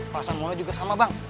perasaan bola juga sama bang